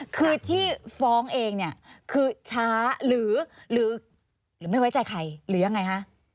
คือที่ฟ้องเองเนี่ยคือช้าหรือไม่ไว้ใจใครหรือยังไงคะ